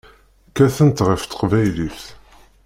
Kkatent ɣef teqbaylit.